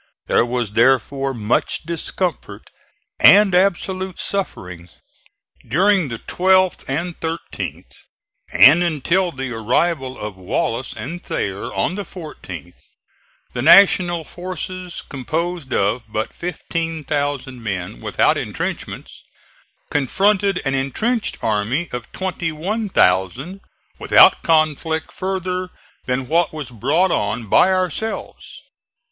There was therefore much discomfort and absolute suffering. During the 12th and 13th, and until the arrival of Wallace and Thayer on the 14th, the National forces, composed of but 15,000 men, without intrenchments, confronted an intrenched army of 21,000, without conflict further than what was brought on by ourselves.